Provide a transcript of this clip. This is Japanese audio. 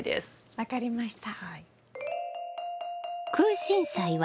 分かりました。